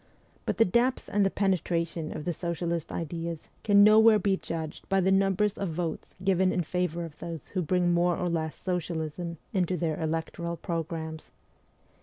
But the depth and the penetration of the socialist ideas can nowhere be judged by the numbers of votes given in favour of those who bring more or less socialism into their electoral programmes.